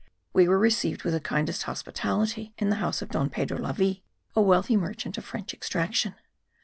We were received with the kindest hospitality in the house of Don Pedro Lavie, a wealthy merchant of French extraction.